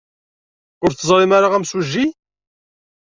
Ur teẓrim ara imsujji?